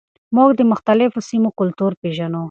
موږ د مختلفو سیمو کلتور پیژنو.